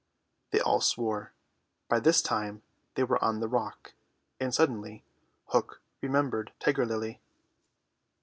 They all swore. By this time they were on the rock, and suddenly Hook remembered Tiger Lily.